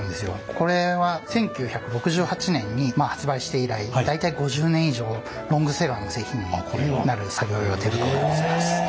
これは１９６８年に発売して以来大体５０年以上ロングセラーの製品になる作業用手袋でございます。